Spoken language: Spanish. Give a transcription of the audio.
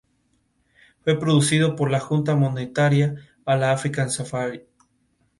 Play-Yan Garage Games no son compatibles con Play-Yan Micro.